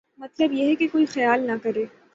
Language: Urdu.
مطلب یہ ہے کہ کوئی یہ خیال نہ کرے